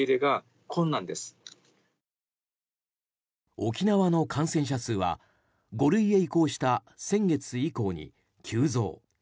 沖縄の感染者数は５類へ移行した先月以降に急増。